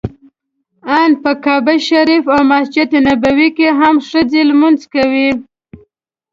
ان په کعبه شریفه او مسجد نبوي کې هم ښځې لمونځ کوي.